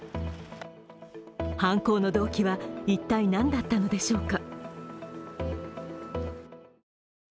犯行の動機は一体何だったのでしょうか。